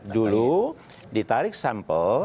dulu ditarik sampel